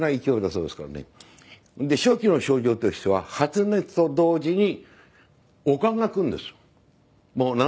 で初期の症状としては発熱と同時に悪寒がくるんです。